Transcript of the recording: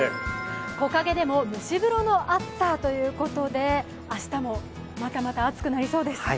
木陰でも蒸し風呂の暑さということで、明日もまだまだ暑くなりそうです。